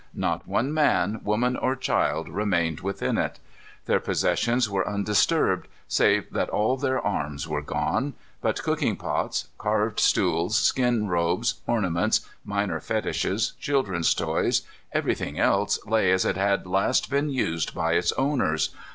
Not one man, woman, or child remained within it. Their possessions were undisturbed, save that all their arms were gone, but cooking pots, carved stools, skin robes, ornaments, minor fetishes, children's toys, everything else lay as it had last been used by its owners.